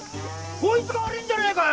こいつが悪いんじゃねえかよ！